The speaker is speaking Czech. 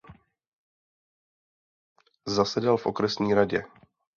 Zasedal v okresní radě.